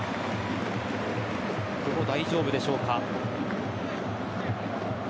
久保、大丈夫でしょうか。